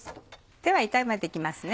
では炒めて行きますね。